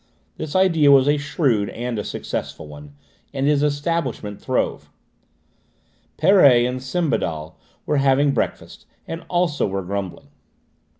The idea was a shrewd and a successful one, and his establishment throve. Perret and Sembadel were having breakfast, and also were grumbling.